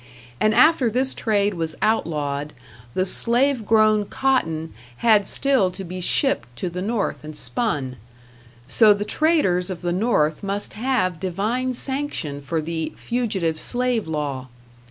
And after this trade was outlawed, the slave grown cotton had still to be shipped to the North and spun; so the traders of the North must have divine sanction for the Fugitive Slave law.